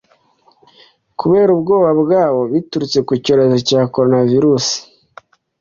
kubera ubwoba bwabo, biturutse ku cyorezo cya coronavirus."